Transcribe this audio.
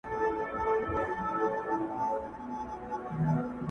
راته شعرونه ښكاري،